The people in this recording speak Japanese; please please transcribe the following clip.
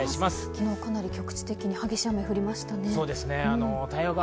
昨日、局地的に激しい雨降りましたね。